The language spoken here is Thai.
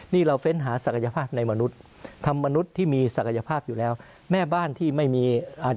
นี่เราเฟรรท์หาศักยภาพในมนุษย์ทำสักยภาพที่มีแล้ว